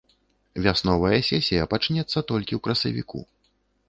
Вясновая сесія пачнецца толькі ў красавіку.